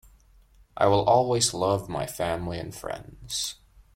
I will always love my family and friends.